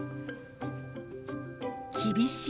「厳しい」。